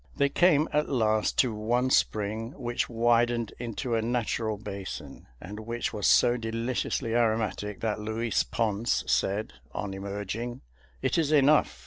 They came, at last, to one spring which widened into a natural basin, and which was so deliciously aromatic that Luis Ponce said, on emerging: "It is enough.